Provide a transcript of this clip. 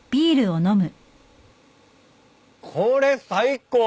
これ最高。